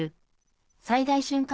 最大瞬間